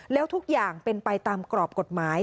แล้วทุกอย่างเป็นไปตามกรอบกฎหมาย